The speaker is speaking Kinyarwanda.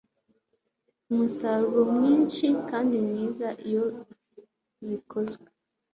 umusaruro mwinshi kandi mwiza iyo bikozwe